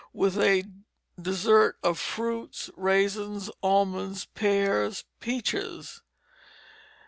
with a dessert of fruits, raisins, almonds, pears, peaches."